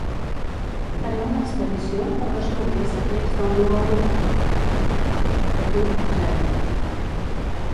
Farem una expedició per descobrir els secrets del número ero zero.